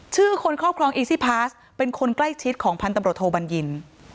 คนครอบครองอีซี่พาสเป็นคนใกล้ชิดของพันธุ์ตำรวจโทบัญญิน